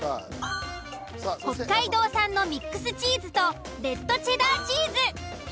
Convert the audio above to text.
北海道産のミックスチーズとレッドチェダーチーズ。